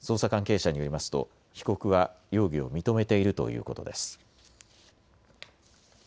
捜査関係者によりますと被告は容疑を認めているということです。